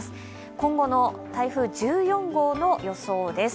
今後の台風１４号の予想です。